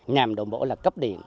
nhằm đồng bộ là cấp điện